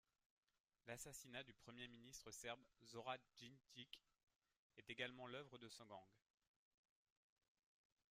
L'assassinat du Premier ministre serbe Zoran Djindjic est également l'œuvre de ce gang.